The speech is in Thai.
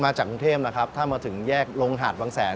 มาจากกรุงเทพฯถ้ามาถึงแยกโรงหาดวังแสน